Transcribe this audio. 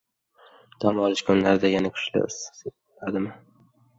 Dam olish kunlarida yana kuchli issiq bo‘ladimi?